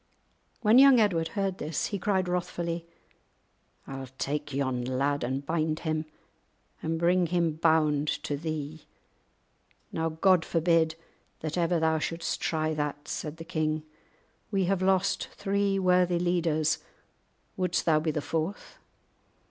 When young Edward heard this, he cried wrathfully, "I'll take yon lad and bind him, and bring him bound to thee." "Now God forbid that ever thou shouldst try that," said the king; "we have lost three worthy leaders; wouldst thou be the fourth?